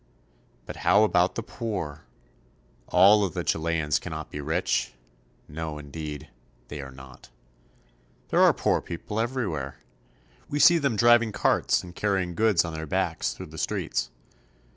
But how about the poor? All of the Chileans cannot be rich. No, indeed ; they are not. There are poor people everywhere. We see them driving carts, and carrying goods on their backs through the streets.